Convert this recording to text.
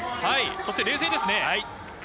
そして冷静ですね。